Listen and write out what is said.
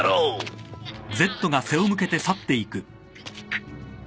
くっ。